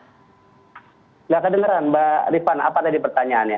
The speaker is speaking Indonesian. tidak kedengeran mbak rifan apa tadi pertanyaannya